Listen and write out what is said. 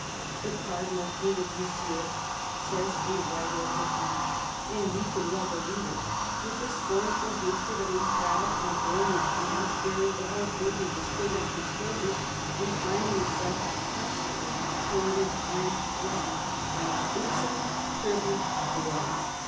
" The Cardinal hated Monsieur," says a writer of the time, and we can well believe it — with the scornful hatred of a proud and brilliant man bearing the whole burden of the State on his shoulders, and finding himself constantly thwarted and threatened by an insolent, privileged boy.